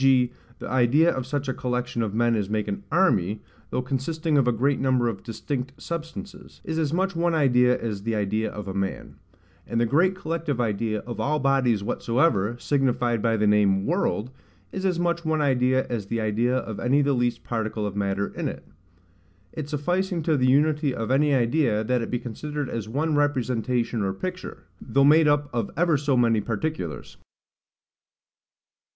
g. the idea of such a collection of men as make an ARMY, though consisting of a great number of distinct substances, is as much one idea as the idea of a man: and the great collective idea of all bodies whatsoever, signified by the name WORLD, is as much one idea as the idea of any the least particle of matter in it; it sufficing to the unity of any idea, that it be considered as one representation or picture, though made up of ever so many particulars.